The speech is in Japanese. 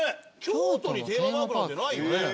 京都にテーマパークなんてないよね。